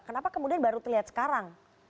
kenapa kemudian baru terlihat sekarang